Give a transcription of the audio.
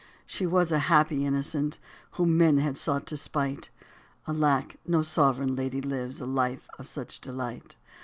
She was a happy innocent Whom men had sought to spite. Alack, no sovereign lady lives A life of such delight.